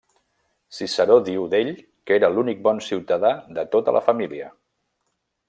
Ciceró diu d'ell que era l'únic bon ciutadà de tota la família.